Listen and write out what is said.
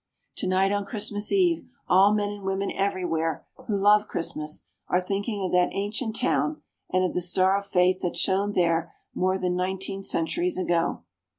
Tonight, on Christmas Eve, all men and women everywhere who love Christmas are thinking of that ancient town and of the star of faith that shone there more than nineteen centuries ago.